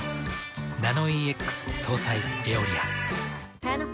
ナノイーＸ搭載「エオリア」。